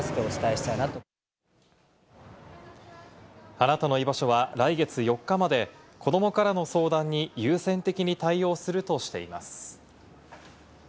「あなたのいばしょ」は来月４日まで、子どもからの相談に優先的に対応するとしています。